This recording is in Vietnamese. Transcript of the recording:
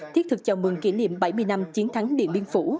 thiết thực chào mừng kỷ niệm bảy mươi năm chiến thắng điện biên phủ